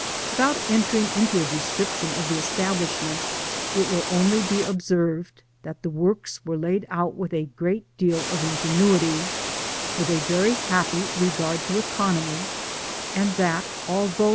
Without entering into a description of the esta blishment, it will only be observed, that the works were laid out with a great deal of ingenuity, with a very happy regard to economy, and that, although Digitized byGoogk OF SAN PEDRO NOLASCO.